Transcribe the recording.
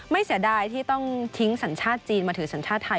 เสียดายที่ต้องทิ้งสัญชาติจีนมาถือสัญชาติไทย